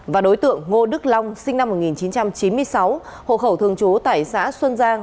và đối tượng ngô đức long sinh năm một nghìn chín trăm chín mươi sáu hộ khẩu thường trú tại xã xuân giang